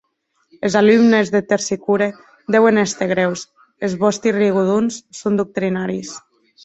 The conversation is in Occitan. Es alumnes de Tersicore deuen èster grèus, es vòsti rigodons son doctrinaris.